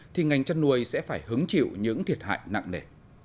thì ngành chăn nuôi sẽ phải hứng chịu những thiệt hại nặng nề